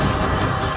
aku akan menang